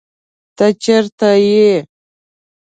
ته چرته یې؟